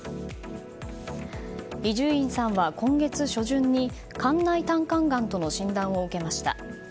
伊集院さんは、今月初旬に肝内胆管がんとの診断を受けました。